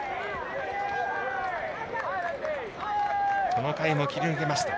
この回も切り抜けました。